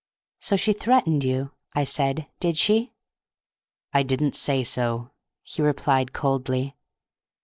"So she threatened you," I said, "did she?" "I didn't say so," he replied, coldly.